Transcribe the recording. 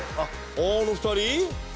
あの２人？